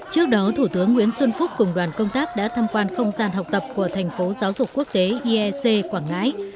trước đó thủ tướng nguyễn xuân phúc cùng đoàn công tác đã thăm quan không gian học tập của thành phố giáo dục quốc tế iec quảng ngãi